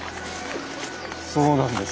そうなんです。